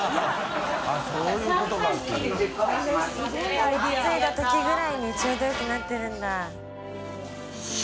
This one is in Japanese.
おウチ着いた時ぐらいにちょうどよくなってるんだ。